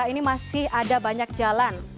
ini masih ada banyak jalan